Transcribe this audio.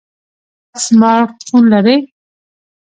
سمارټ فون لرئ؟